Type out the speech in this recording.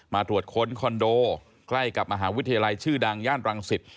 ตรวจค้นคอนโดใกล้กับมหาวิทยาลัยชื่อดังย่านรังสิต